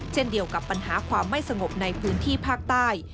เช่นเดียวกับปัญหาความไม่สงบในพื้นที่ภาคใต้